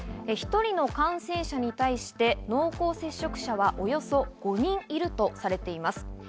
１人の感染者に対して濃厚接触者はおよそ５人いるとされています。